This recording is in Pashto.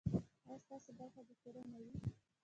ایا ستاسو برخه به پوره نه وي؟